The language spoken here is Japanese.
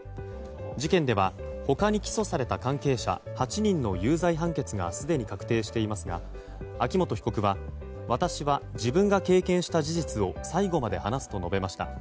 事件では、他に起訴された関係者８人の有罪判決がすでに確定しますが秋元被告は私は、自分が経験した事実を最後まで話すと述べました。